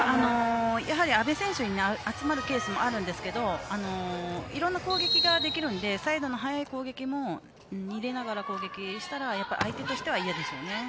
やはり阿部選手に集まるケースもあるんですがいろんな攻撃ができるのでサイドの速い攻撃も入れながら攻撃したら相手としては嫌でしょうね。